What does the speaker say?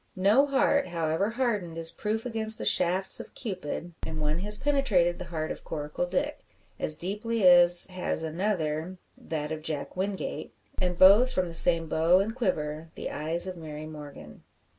No heart, however hardened, is proof against the shafts of Cupid; and one has penetrated the heart of Coracle Dick, as deeply as has another that of Jack Wingate. And both from the same how and quiver the eyes of Mary Morgan.